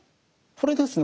これですね